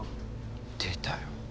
出たよ。